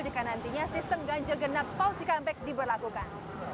jika nantinya sistem ganjil genap tol cikampek diberlakukan